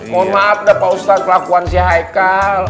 mohon maaf dah pak ustadz kelakuan si haikal